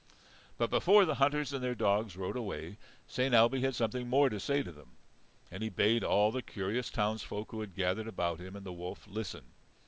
But before the hunters and their dogs rode away, Saint Ailbe had something more to say to them. And he bade all the curious towns folk who had gathered about him and the wolf listen.